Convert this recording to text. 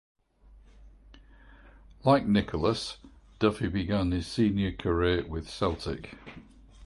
Like Nicholas, Duffy began his senior career with Celtic.